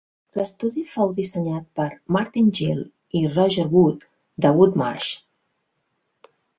L'estudi fou dissenyat per Martin Gill i Roger Wood de Wood Marsh.